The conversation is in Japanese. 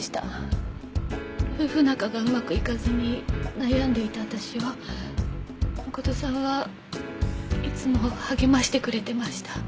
夫婦仲がうまくいかずに悩んでいた私を誠さんはいつも励ましてくれてました。